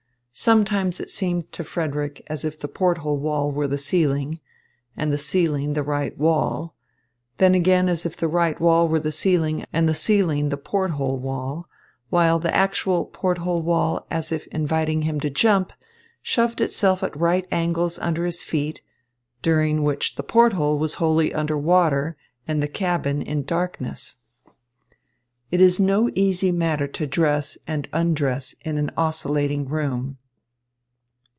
Sometimes it seemed to Frederick as if the port hole wall were the ceiling, and the ceiling the right wall; then again as if the right wall were the ceiling, and the ceiling the port hole wall, while the actual port hole wall, as if inviting him to jump, shoved itself at right angles under his feet during which the port hole was wholly under water and the cabin in darkness. It is no easy matter to dress and undress in an oscillating room.